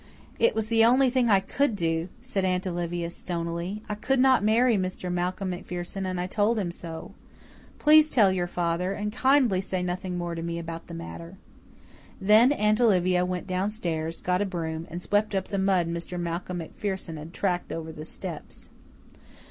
"It was the only thing I could do," said Aunt Olivia stonily. "I could not marry Mr. Malcolm MacPherson and I told him so. Please tell your father and kindly say nothing more to me about the matter." Then Aunt Olivia went downstairs, got a broom, and swept up the mud Mr. Malcolm MacPherson had tracked over the steps.